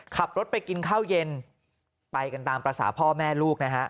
ขับรถไปกินข้าวเย็นไปกันตามภาษาพ่อแม่ลูกนะฮะ